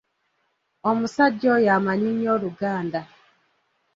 Omusajja oyo amanyi nnyo Oluganda.